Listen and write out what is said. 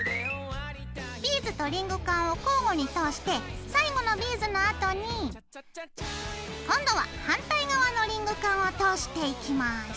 ビーズとリングカンを交互に通して最後のビーズのあとに今度は反対側のリングカンを通していきます。